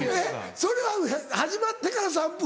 それは始まってから３分。